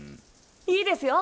いいですよ！